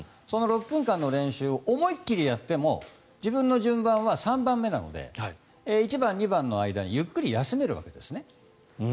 その６分間の練習を思いっ切りやっても自分の練習は３番目なので１番、２番の間にゆっくり休めるわけですね。